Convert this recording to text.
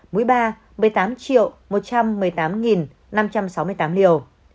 mũi ba là một mươi tám một trăm một mươi tám năm trăm sáu mươi tám liều